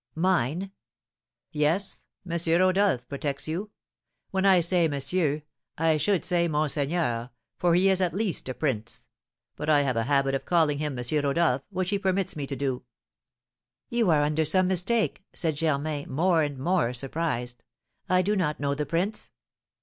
"Mine!" "Yes, M. Rodolph protects you. When I say monsieur, I should say monseigneur, for he is at least a prince; but I have a habit of calling him M. Rodolph, which he permits me to do." "You are under some mistake," said Germain, more and more surprised; "I do not know the prince."